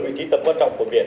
vị trí tầm quan trọng của biển